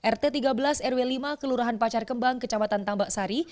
rt tiga belas rw lima kelurahan pacar kembang kecamatan tambak sari